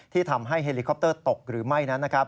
ที่ทำให้เฮลิคอปเตอร์ตกหรือไม่นั้น